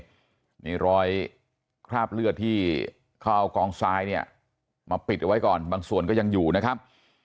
นี่รอยคราบเลือดที่เขาเอากองทรายเนี่ยมาปิดเอาไว้ก่อนบางส่วนก็ยังอยู่นะครับ